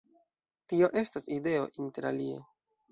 Tio estas ideo, interalie!